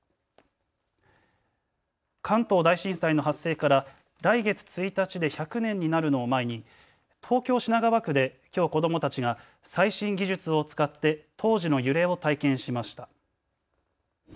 関東大震災の発生から来月１日で１００年になるのを前に東京品川区できょう子どもたちが最新技術を使って当時の揺れを体験しました。